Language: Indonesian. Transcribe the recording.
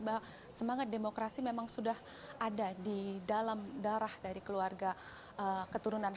bahwa semangat demokrasi memang sudah ada di dalam darah dari keluarga keturunan